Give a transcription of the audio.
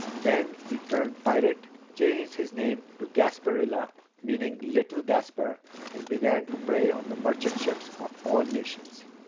Then he turned pirate, changed his name to Gasparilla, meaning Little Gaspar, and began to prey on the merchant ships of all nations.